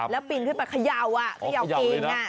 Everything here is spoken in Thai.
แล้วปีนขึ้นไปเขย่าเขย่ากิน